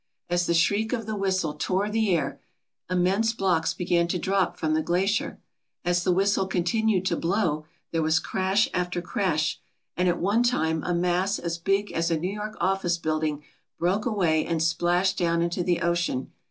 As the shriek of the whistle tore the air, immense blocks began to drop from the glacier. As the whistle continued to blow there was crash after crash, and at one time a mass as big as a New York office building broke away and splashed down into the ocean.